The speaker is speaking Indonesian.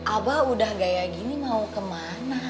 abah udah gaya gini mau kemana